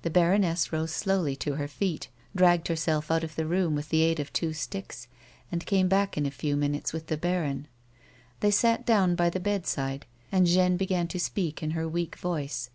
The baroness rose slowly to her feet, dragged herself out of the room with the aid of two sticks, and came back in a few minutes with the baron. They sat down by the bed side, and Jeanne began to speak in her weak voice.